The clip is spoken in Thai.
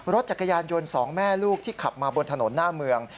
รถจักรยานยนต์สองแม่ลูกที่ขับมาบนถนนหน้าเมือง